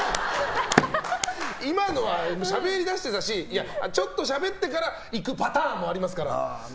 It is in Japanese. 今のはしゃべりだしてたしちょっとしゃべってから行くパターンもありますから。